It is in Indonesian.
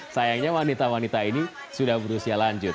sayangnya wanita wanita ini sudah berusia lanjut